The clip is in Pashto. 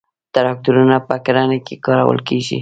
تراکتورونه په کرنه کې کارول کیږي.